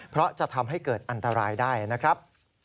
เพราะจะทำให้เกิดอันตรายได้นะครับ